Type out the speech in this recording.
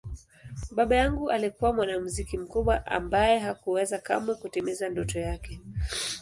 Baba yangu alikuwa mwanamuziki mkubwa ambaye hakuweza kamwe kutimiza ndoto yake.